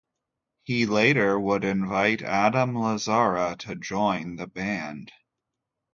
He later would invite Adam Lazzara to join the band.